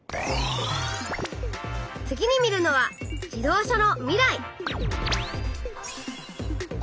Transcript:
次に見るのは「自動車の未来」。